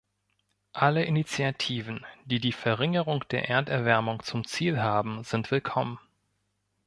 Alle Initiativen, die die Verringerung der Erderwärmung zum Ziel haben, sind willkommen.